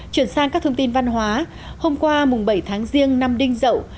chuyển sang các thông tin văn hóa hôm qua mùng bảy tháng riêng năm đinh dậu